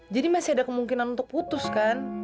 jadi masih ada kemungkinan untuk putuskan